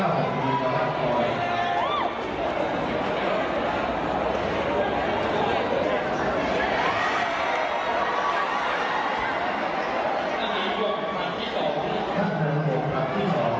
สวัสดีครับ